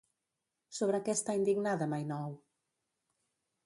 Sobre què està indignada Maynou?